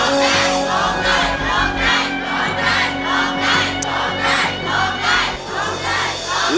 ร้องได้ร้องได้ร้องได้